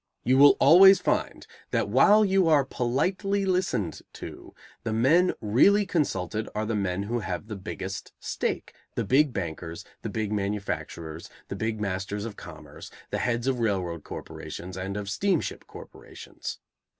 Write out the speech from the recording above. You will always find that while you are politely listened to, the men really consulted are the men who have the biggest stake, the big bankers, the big manufacturers, the big masters of commerce, the heads of railroad corporations and of steamship corporations.